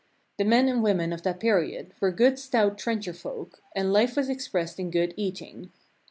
The men and women of that period were good stout trencher folk, and life was expressed in good eating.